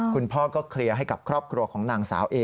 คุณพ่อก็เคลียร์ให้กับครอบครัวของนางสาวเอ